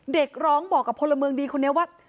เด็กร้องบอกกับพลเมืองดีคนนี้ว่า